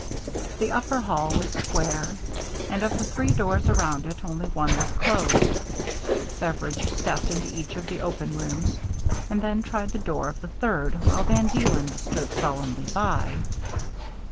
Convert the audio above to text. The upper hall was square, and of the three doors around it only one was closed. Beveridge stepped into each of the open rooms, and then tried the door of the third, while Van Deelen stood sullenly by.